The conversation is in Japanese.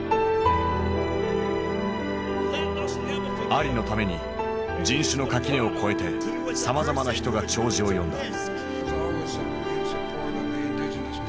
アリのために人種の垣根を越えてさまざまな人が弔辞を読んだ。